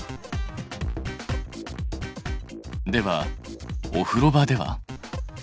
ではお風呂場では？